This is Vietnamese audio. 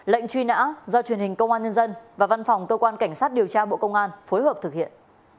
lệnh truy nã do truyền hình công an nhân dân và văn phòng cơ quan cảnh sát điều tra bộ công an phối hợp thực hiện